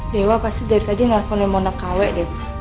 dewa pasti dari tadi nelfonnya mau nak kawet deh